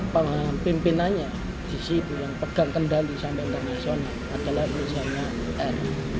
pemimpinannya di situ yang pegang kendali sampai ke sana adalah misalnya r